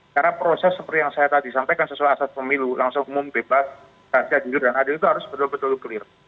karena proses seperti yang saya tadi sampaikan sesuai asas pemilu langsung umum bebas raja judul dan adil itu harus betul betul clear